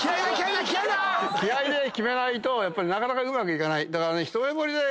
気合いで決めないとなかなかうまくいかない。